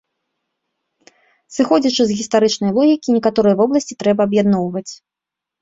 Сыходзячы з гістарычнай логікі, некаторыя вобласці трэба аб'ядноўваць.